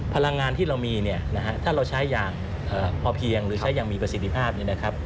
พลังงานที่เรามีถ้าเราใช้อย่างพอเพียงหรือใช้อย่างมีประสิทธิภาพนี่